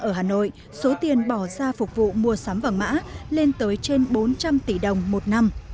ở hà nội số tiền bỏ ra phục vụ mua sắm vàng mã lên tới trên bốn trăm linh tỷ đồng một năm